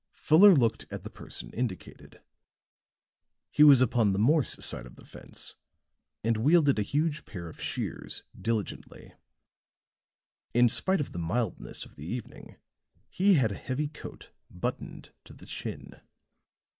Fuller looked at the person indicated; he was upon the Morse side of the fence and wielded a huge pair of shears diligently; in spite of the mildness of the evening he had a heavy coat buttoned to the chin.